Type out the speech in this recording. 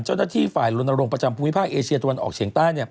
เจ้าหน้าที่ฝ่ายลนโรงประจำภูมิภาคเอเชียตะวันออกเฉียงใต้